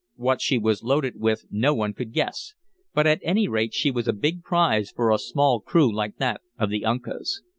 What she was loaded with no one could guess, but at any rate she was a big prize for a small crew like that of the Uncas.